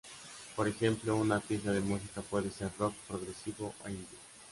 Por ejemplo una pieza de música puede ser rock progresivo o indie.